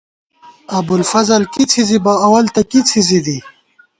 ابُوالفضل کی څِھزِبہ، اول تہ کی څِھزِی دی